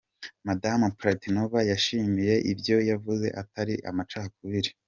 Madamu Pletnyova yashimangiye ko ibyo yavuze atari amacakubiri.